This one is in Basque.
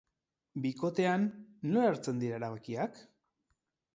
Bikotean, nola hartzen dira erabakiak?